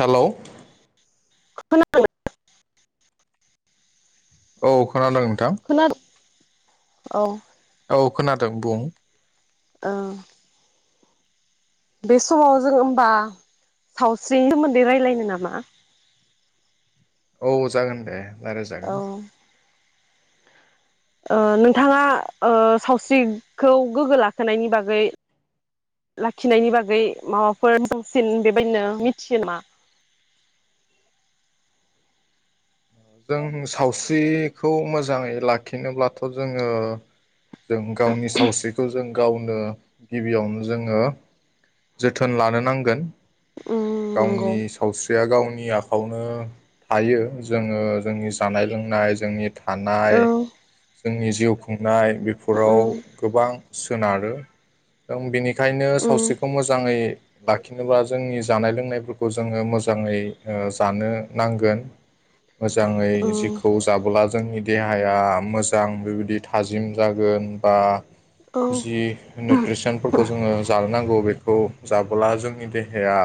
Hello [unintelligible] औ खोनादों खोना औ औ खोनादों बुं औ बे समाव जों ओमबा सावस्रिनि सोमोन्दै रायलायनो नामा? औ जागोन दे रायलाय औ जागोन ओ नोंथाङा ओ सावस्रिखौ गोग्गो लाखिनायनि बागै लाखिनायनि बागै माबाफोर बांसिन बेबायदिनो मिथियो नामा? जों सावस्रिखौ मोजाङै लाखिनोब्लाथ' जोङो जों गावनि सावस्रिखौ जों गावनो गिबियावनो जोङो जोथोन लानो नांगोन। उम नंगौ गावनि सावस्रिया गावनि नि आखायावनो थायो। जोङो जोंनि जानाय लोंनाय जोंनि था औ थानाय जोंनि जा जिउ खुंनाय बे फोराव उम गोबां सोनारो। दं बिनि बेखायनो उम सावस्रिखौ मोजाङै लाखिनोब्ला जोंनि जानाय लोंनायफोरखौ जों जोङो मोजाङै ओ जानो नांगोन। मोजाङै उम जिखौ जाबोला जोंनि देहाया मोजां बेबायदि थाजिम जागोन बा औ जि निउट्रिसनफोरखौ जोङो जानो नांगौ बेखौ जाबोला जोंनि देहाया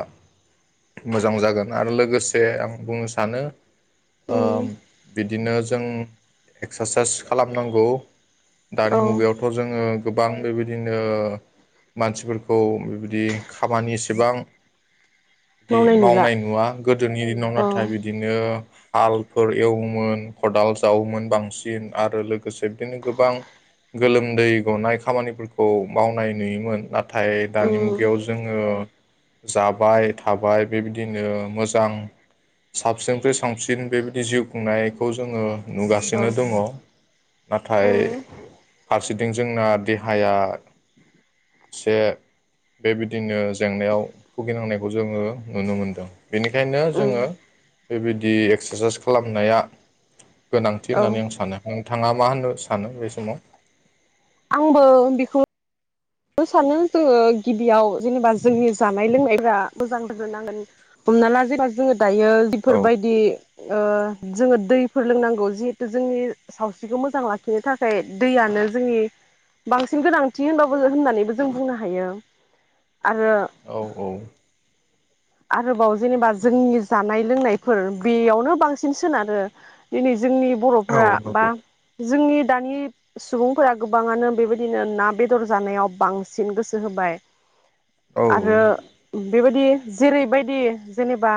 मोजां जागोन आरो लोगोसे आं बुंनो सानो ओ उम बिदिनो जों एक्सारसाइस खालामनांगौ दानि औ मुगायावथ जोङो गोबां बेबायदिनो मानसिफोरखौ बिबायदि खामानि एसेबां बिदि मावनाय नुवा गोदोनि दिनाव औ नाथाय बिदिनो हालफोर एवोमोन खदाल जावोमोन बांसिन आरो लोगोसे बिदिनो गोबां गोलोमदै गनाय खामानिफोरखौ मावनाय नुयोमोन नाथाय दानि उम मुगायाव जोङो जाबाय थाबाय बेबायदिनो मोजां साबसिननिफ्राय साबसिन बेबायदि जिउ खुंनायखौ जोङो औ नुगासिनो दङ नाथाय उम फारसेथिं जोंना देहाया एसे बेबायदिनो जेंनायाव भुगिनांनायखौ जोङो नुनो मोनदों बेनिखायनो उम जोङो बेबायदि एक्सारसाइज खालामनाया गोनांथि औ होननानै आं सानो नोंथाङा मा होननो सानो बे समाव आंबो बेखौ सानो जोङो गिबियाव जेनेबा जोंनि जानाय लोंनायफ्रा मोजां जानो नांगोन हमना ला जेनेबा जोङो दायो औ बेफोरबायदि ओ जोङो दैफोर लोंनांगौ जिहेथु जोंनि सावस्रिखौ मोजां लाखिनो थाखाय दैयानो जोंनि बांसिन गोनांथि होनबाबो होननानैबो जों बुंनो हायो आरो औ औ आरोबाव जेनेबा जोंनि जानाय लोंनायफोर दै'यावनो बांसिन सोनारो दिनै जोंनि बर'फोरा बा नंगौ जोंनि दानि सुबुंफोरा गोबाङानो बेबायदिनो ना बेदर बेदर जानायाव बांसिन गोसो होबाय औ आरो बेबायदि जेरैबायदि जेनेबा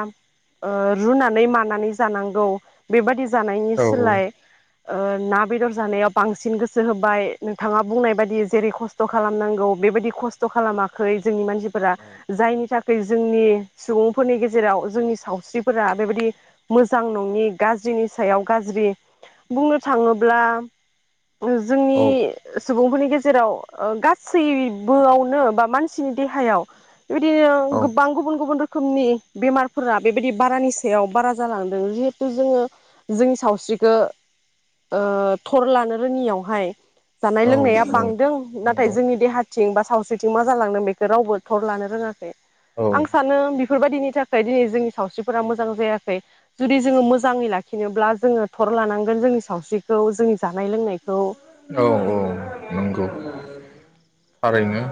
ओ रुनानै मानानै जानांगौ बेबायदि जानायनि सोलाय ओ ना बेदर जानायाव बांसिन गोसो होबाय नोंथाङा बुंनाय बायदि जेरै खस्थ खस्थ' खालामनांगौ बेबायदि खस्थ' खालामाखै जोंनि मानसिफोरा जायनि थाखाय जोंनि सुबुंफोरनि गेजेराव जोंनि सावस्रिफोरा बेबायदि मोजां नङि गाज्रिनि सायाव गाज्रि बुंनो थाङोब्ला औ जोंनि सुबुंफोरनि गेजेराव ओ गासैबोआवनो बा मानसिनि देहायाव बिबायदिनो औ गोबां गुबुन गुबुन रोखोम रोखोमनि बेमारफोरा बेबायदि बारानि सायाव बारा जालांदों जिहेथु जोङो जोंनि सावस्रिखौ ओ थर लानो रोङियावहाय जानाय औ लोंनाया औ बांदों नाथाय नंगौ जोंनि देहा थिंबा सावस्रिथिं मा जालांदों बेखौ रावबो थर लानो रोङाखै औ आं सानो बेफोरबायदिनि थाखाय दिनै जोंनि सावस्रिफोरा मोजां जायाखै जुदि जोङो मोजाङै लाखिनोब्ला जोङो थर लानांगोन जोंनि सावस्रिखौ जोंनि जानाय लोंनायखौ औ औ नंगौ। थारैनो।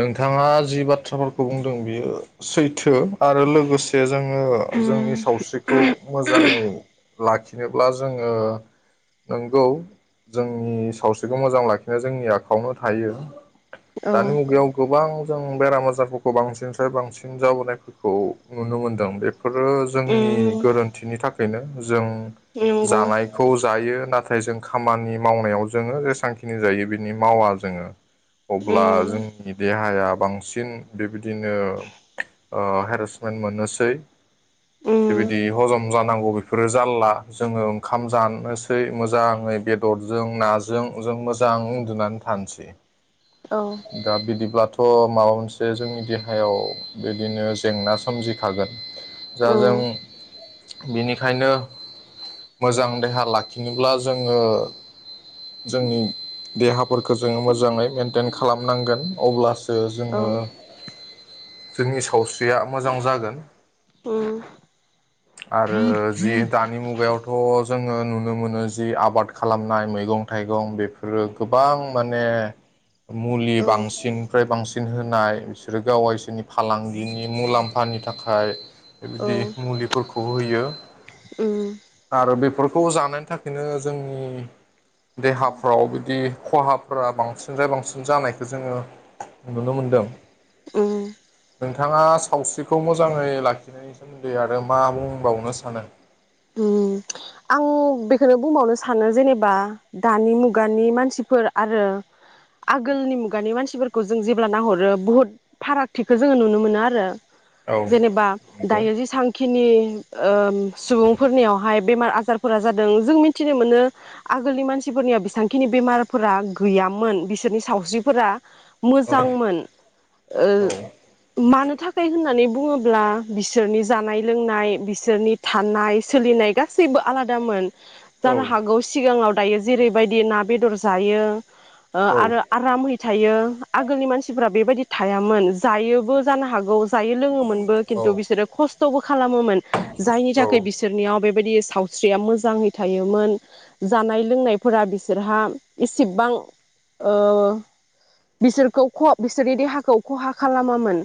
नोंथाङा जि बाथ्राफोरखौ बुंदों बियो सै थो आरो लोगोसे जोङो उम जोंनि सावस्रिखौ मोजाङै लाखिनोब्ला जोङो नंगौ जोंनि सावस्रिखौ मोजां लाखिनाय जोंनि आखायावनो थायो। औ दानि मुगायाव गोबां जों बेराम आजारफोरखौ बांसिनफ्राय बांसिन जाबोनायफोरखौ नुनो मोनदों। बे बेफोरो जोंनि उम गोरोन्थिनि थाखाय बेनो। जों नंगौ जानायखौ जायो नाथाय नाथाय जों खामानि मावनायाव जोङो जेसांखिनि जायो बिनि मावा जोङो। अब्ला उम जोंनि देहाया बांसिन बेबायदिनो ओ हेरेसमेन्ट मोननोसै उम बेबायदि हजम जा नांगौ बेफोरो जाला जोङो ओंखाम जानोसै मोजाङै बेदरजों नाजों जों मोजां उन्दुनानै थानोसै। औ दा बिदिब्ला थ' माबा मोनसे जोंनि देहायाव बिदिनो जेंना सोमजिखागोन दा जों उम बेनिखायनो मोजां देहा लाखिनोब्ला जोङो जोंनि देहाफोरखौ जोङो मोजाङै मेनटेन खालामनांगोन अब्लासो औ जोङो जोंनि सावस्रिया मोजां जागोन। उम। आरो जि दानि मुगायावथ' जोङो नुनो मोनो जि आबाद खालामनाय मैगं थाइगं बेफोरो गोबां माने मुलि औ बांसिननिफ्राय बांसिन सिन होनाय बिसोरो गाव इसोरनि फालांगिनि मुलाम्फानि थाखाय बेबायदि मुलिफोरखौ होयो उम आरो बे खौ जानायनि थाखायनो जोंनि देहाफ्राव बिदि खहाफोरा बांसिनफ्राय बांसिन जानायखौ जोङो नुनो मोनदों। उम। नोंथाङा सावस्रिखौ मोजाङै लाखिनायनि सोमोन्दोै आरो मा बुंबावनो सानो। उम आं बेखौनो बुंबावनो सानो जेनेबा दानि मुगानि मानसिफोर आरो आगोलनि मुगानि मानसिफोरखौ जों जेब्ला नाहरो बुहुद फारागथिखौ जोङो नुनो मोनो आरो। औ जेनेबा नंगौ दायो ज सांखिनि सुबुंफोरनियावहाय बेमार आजार फोरा जादों जों मिथिनो मोनो आगोलनि मानसिफोरनिया बेसांखिनि बेमारफोरा गैयामोन बिसोरनि सावस्रिफोरा औ मोजांमोन ओ औ मानो थाखाय होननानै बुङोब्ला बिसोरनि जानाय लोंनाय बिसोरनि थानाय सोलिनाय गासैबो आलादामोन औ जानो हागौ सिगाङाव दायो जेरैबायदि ना बेदर जायो औ आरो आराम है थायो आगोलनि मानसिफ्रा बेबायदि थायामोन जायोबो जानो हागौ जायो लोङोमोनबो खिन्थु बिसोरो खस्थ'बो खालामोमोन जायनि औ थाखाय बिसोरनियाव बेबायदि साव स्रिया मोजाङै थायोमोन जानाय लोंनायफोरा बिसोरहा इसेबां बिसोरखौ बिसोरनि देहाखौ खहा खालामामोन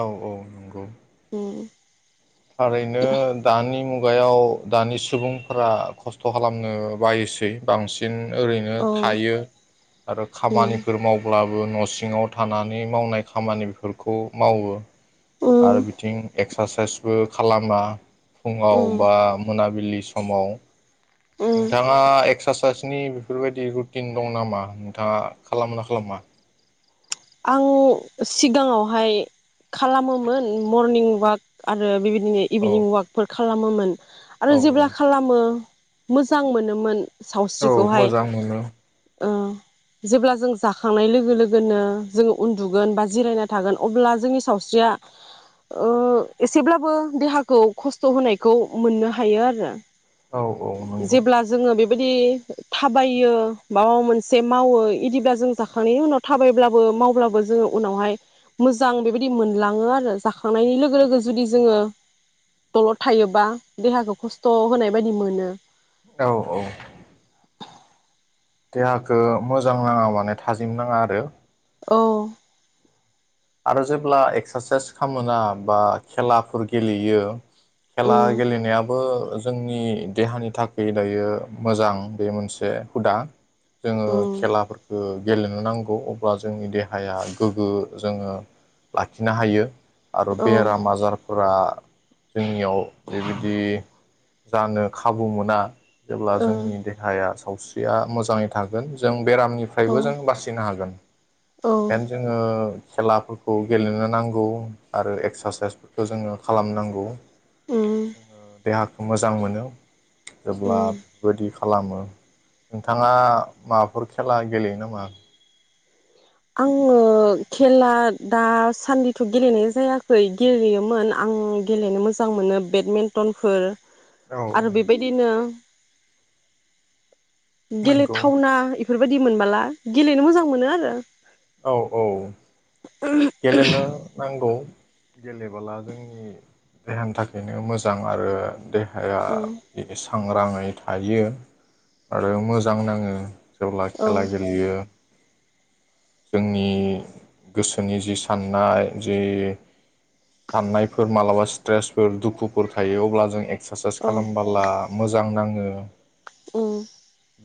औ औ नंगौ [unintelligible] खुगायाव दानि सुबुंफोरा खस्थ' खालामनो बायोसै बांसिन ओरैनो औ थायो आरो उम खामानिफोर मावब्लाबो न'से सिङाव थानानै मावनाय खामानिफोरखौ मावो आरो उम बिथिं एक्स एक्सारसाइसबो खालामा फुङाव उम बा मोनाबिलि बे समाव उम नोंथाङा एक्सारसाइस नोंनि बेफोरबायदि रुटिन दं नामा नोंथाङा खालामो ना खालामा आं सिगाङावहाय खालामोमोन मरनिं वाक आरो बेबायदि जो औ इभिनिं वाकफोर खालामोमोन आरो औ औ जेब्ला खालामो मोजां मोनोमोन औ सावस्रिखौहाय मोजां मोनो जेब्ला जों जाखांनाय लोगो लोगोनो जोङो उन्दुगोन बा जिरायना थागोन अब्ला जोंनि सावस्रिया एसेब्लाबो देहाखौ खस्थ' होनायखौ मोननो हायो आरो औ औ नंगौ बिदि थाबायो माबा मोनसे मावो बिदिबा जों जाखांनायनि उनाव थाबायब्ला- बो मावब्लाबो जोङो उनावहाय मोजां बेबायदि मोनलाङो आरो जाखांनायनि लोगो लोगो जुदि जोङो दलद थायोबा देहाखौ खस्थ होनाय बायदि मोनो औ औ [inaudible] देहाखौ मोजां नाङा माने थाजिम नाङा आरो औ आरो जेब्ला एक्सारसाइस खालामोना बा खेलाफोर गेलेयो खेला उम गेलेनायाबो जोंनि देहानि थाखाय दायो मोजां बे मोनसे हुदा जोङो उम खेलाफोरखौ गेलेनो नांगौ अब्ला जोंनि देहाया गोग्गो जोङो लाखिनो हायो। आरो औ ओ बेराम आजार फोरा जोंनियाव बेबायदि जानो खाबु मोना जेब्ला जोंनि देहाया सावस्रिया मोजाङै थागोन जों औ बेरामनिफ्रायबो जों बासिनो हागोन औ बेनिखायनो जोङो खेलाफोरखौ गेलेनो नांगौ आरो एक्सारसाइसफोरखौ जोङो खालामनांगौ उम जोङो देहाखौ मोजां मोनो जेब्ला उम बेबायदि खालामो नोंथाङा माबाफोर खेला गेलेयो नामा? आङो खेला दासान्दिथ गेलेनाय जायाखै गेलेयोमोन आं गेलेनो मोजां मोनो बेडमिन्टनफोर औ आरो बेबायदिनो नंगौ गेलेथावना बेफोरबायदि मोनबोला गेलेनो मोजां मोनो आरो औ औ [unintelligible] गेलेनो नांगौ गेलेबोला जोंनि देहानि थाखायनो मोजां आरो हाया बे आं राङै थायो आरो मोजां नाङो जेब्ला औ खेला गेलेयो जोंनि गोसो जोंनि जि साननाय जि साननायफोर मालाबा स्ट्रेसफोर दुखुफोर थायो अब्ला जों एक्सारसाइस औ खालामबोला मोजां जां नाङो उम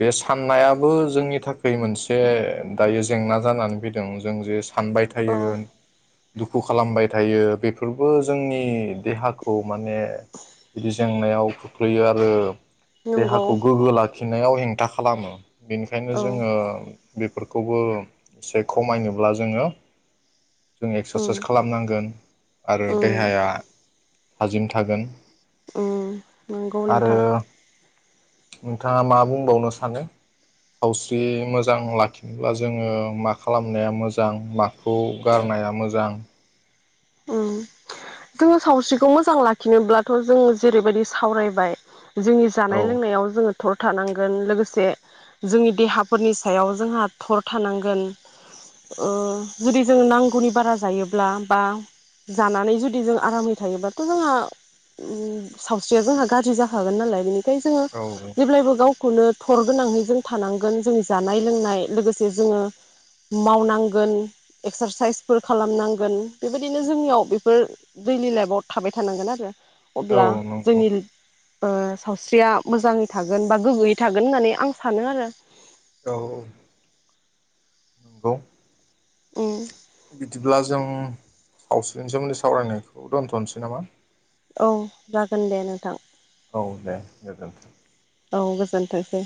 बे साननायाबो जोंनि थाखाय मोनसे दायो जेंना जानानै फैदों जों जे सान औ थायोमोन दुखु खालामबाय थायो बेफोरबो जोंनि देहाखौ माने बिदि जेंनायाव खोख्लैयो आरो दे नंगौ हाखौ गोगो ला फिननायाव हेंथा खालामो। बेनिखायनो औ जोङो बेफोरखौबो एसे खमायनोब्ला जोङो जों उम एक्सारसाइस खालामनांगोन आरो उम देहाया थाजिम थागोन। ओम नंगौ आरो नोंथां नोंथाङा मा बुंबावनो सानो सावस्रि मोजां लाखिनोब्ला जोङो मा खालामनाया मोजां मा खौ गारनाया मोजां ओं जोङो सावस्रिखौ मोजां लाखिनोब्लाथ' जों जेरैबायदि सावरायबाय जोंनि औ जानाय लोंनायाव जोङो थर थानांगोन लोगोसे जोंनि देहाफोरनि सायाव जोंहा थर थानांगोन ओ जुदि जोंङ नांगौनि बारा जायोब्ला बा जानानै जुदि जों आरामै थायोबाथ' जोंहा ओम सावस्रिया जोंहा गाज्रि जाखागोन नालाय बेनि खायनो जोङो औ जेब्लायबो गाव खौनो थर गोनाङै जों थानांगोन जोंनि जानाय लोंनाय लोगोसे जोङो मावनांगोन एक्सारसाइसफोर खालामनांगोन बेबायदि बिदिनो जोंनियाव बेफोर दैलि लाइफआव थाबाय थानांगोन आरो। औ अब्ला नंगौ जोंनि ओ सावस्रिया मोजाङै थागोन बा गोग्गोयै थागोन होननानै आं सानो आरो। औ नंगौ उम सावस्रिनोसोमोन्दै सावरायनायखौ दोनथ'नोसै नामा? औ जागोन दे नोंथां। औ दे गोजोनथों औ गोजोनथोंसै।